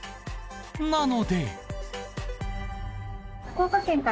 なので。